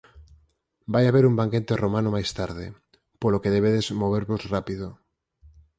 Vai haber un banquete romano máis tarde, polo que debedes movervos rápido.